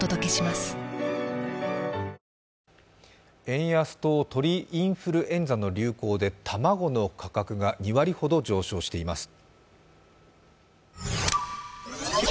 円安と鳥インフルエンザの影響で卵の価格が２割ほど上昇しています